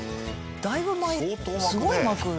だいぶすごい巻く。